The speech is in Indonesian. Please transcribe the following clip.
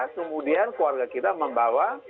kemudian keluarga kita membawa